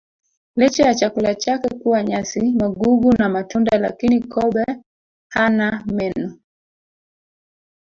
Licha ya chakula chake kuwa nyasi magugu na matunda lakini kobe hana meno